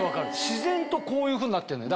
自然とこういうふうになってんのよ。